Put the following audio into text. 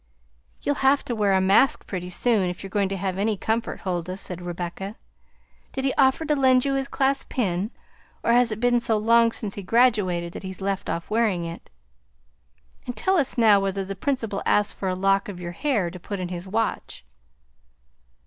"You'll have to wear a mask pretty soon, if you're going to have any comfort, Huldah," said Rebecca. "Did he offer to lend you his class pin, or has it been so long since he graduated that he's left off wearing it? And tell us now whether the principal asked for a lock of your hair to put in his watch?"